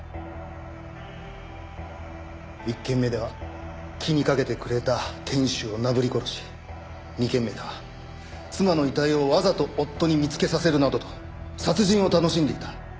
１件目では気にかけてくれた店主をなぶり殺し２件目では妻の遺体をわざと夫に見つけさせるなどと殺人を楽しんでいた。